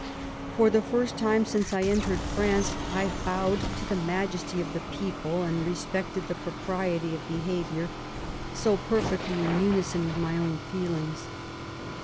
For the first time since I entered France I bowed to the majesty of the people, and respected the propriety of behaviour, so perfectly in unison with nay own feelings.